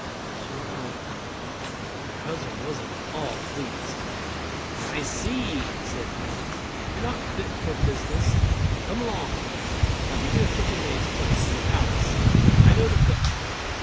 She went home cryin', and her husband wasn't at all pleased. "I see," said he, "you're not fit for business. Come along, I'll get you a kitchen maid's place in the palace. I know the cook."